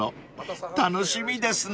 ［楽しみですね］